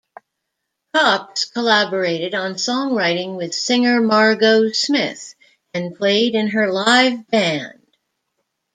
Koppes collaborated on songwriting with singer Margot Smith, and played in her live band.